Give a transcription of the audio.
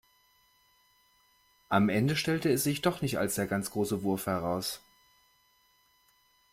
Am Ende stellte es sich doch nicht als der ganz große Wurf heraus.